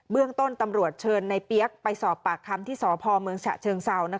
เรื่องต้นตำรวจเชิญในเปี๊ยกไปสอบปากคำที่สพเมืองฉะเชิงเซา